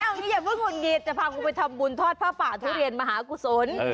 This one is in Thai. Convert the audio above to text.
วันนี้อย่าเพิ่งหุ่นหิดจะพาคุณไปทำบุญทอดผ้าป่าทุเรียนมหากุศล